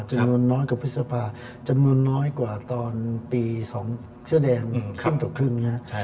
จำนวนน้อยกว่าพฤษภาจำนวนน้อยกว่าตอนปี๒เสื้อแดงครึ่งต่อครึ่งนะครับ